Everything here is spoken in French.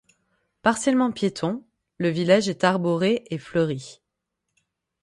Partiellement piéton, le village est arboré et fleuri.